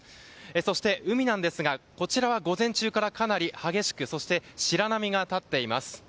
そして、海なんですがこちらは午前中からかなり激しくそして、白波が立っています。